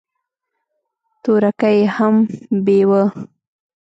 تورکى يې هم بېوه.